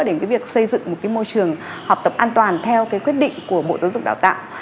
đến cái việc xây dựng một cái môi trường học tập an toàn theo cái quyết định của bộ giáo dục đào tạo